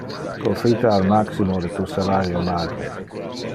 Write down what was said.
Profita al maximo de tu salario magre.